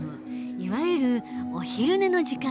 いわゆるお昼寝の時間だ。